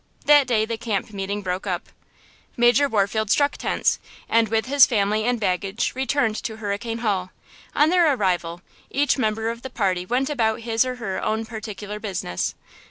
That day the camp meeting broke up. Major Warfield struck tents and with his family and baggage returned to Hurricane Hall. On their arrival, each member of the party went about his or her own particular business.